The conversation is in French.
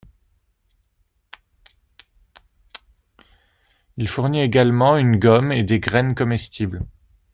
Il fournit également une gomme et des graines comestibles.